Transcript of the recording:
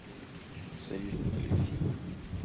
Series de televisión